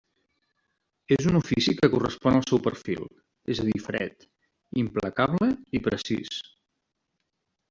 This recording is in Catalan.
És un ofici que correspon al seu perfil, és a dir fred, implacable i precís.